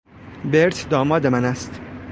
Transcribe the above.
برت داماد من است.